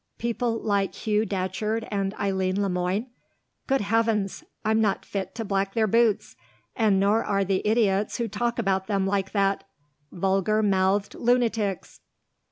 People like Hugh Datcherd and Eileen Le Moine? Good heavens! I'm not fit to black their boots, and nor are the idiots who talk about them like that. Vulgar mouthed lunatics!"